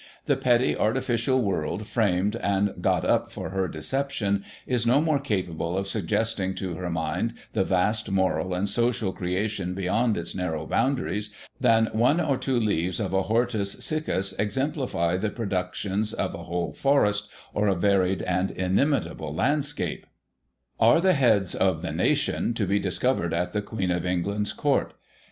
The petty, artificial world framed and got up for her deception, is no more capable of suggesting to her mind the vast moral and social creation beyond its narrow boun daries, than one or two leaves of a hortus siccus exemplify the productions of a noble forest, or a varied and inimitable landscape " Are the heads of the nation to be discovered at the Queen Digiti ized by Google i84o] THE ROYAL WEDDING CAKE. 121 of England's Court